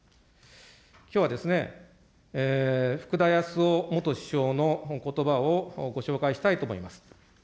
きょうは福田康夫元首相のことばをご紹介したいと思います。